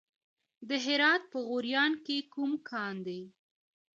د هرات په غوریان کې کوم کان دی؟